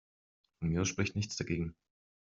Von mir aus spricht nichts dagegen.